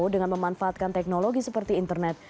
dengan memanfaatkan teknologi seperti internet